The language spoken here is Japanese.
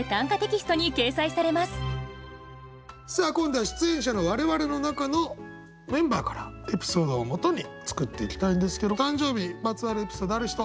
さあ今度は出演者の我々の中のメンバーからエピソードをもとに作っていきたいんですけど誕生日まつわるエピソードある人。